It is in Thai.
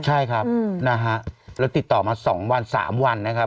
ใช่ครับอืมนะฮะแล้วติดต่อมาสองวันสามวันนะครับ